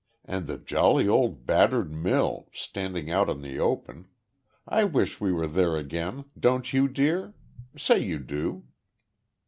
And the jolly old battered mill, standing out on the open I wish we were there again, don't you, dear? Say you do."